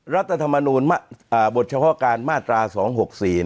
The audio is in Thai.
รัฐธรรมนูลบทชฌการมาตรา๒๖๔เนี่ย